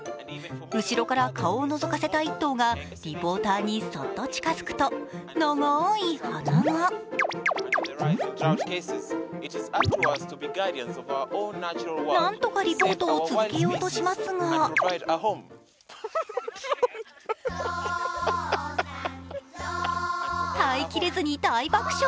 後ろから顔をのぞかせた１頭がリポーターにそっと近づくと、長い鼻が何とかリポートを続けようとしますが耐えきれずに大爆笑。